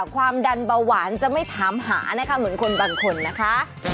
ความดันเบาหวานจะไม่ถามหานะคะเหมือนคนบางคนนะคะ